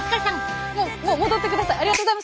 もう戻ってください。